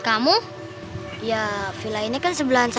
kamu ya villa ini kan sebelahan sama